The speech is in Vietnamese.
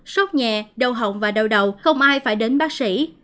sốc nhẹ đầu hộng và đầu đầu không ai phải đến bác sĩ